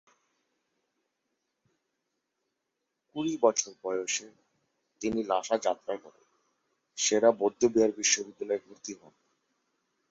কুড়ি বছর বয়সে তিনি লাসা যাত্রা করে সে-রা বৌদ্ধবিহার বিশ্ববিদ্যালয়ে ভর্তি হন।